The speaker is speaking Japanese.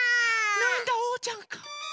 なんだおうちゃんか。